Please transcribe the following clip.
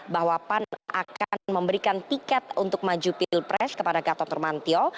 bahwa pan akan memberikan tiket untuk maju pilpres kepada gatot nurmantio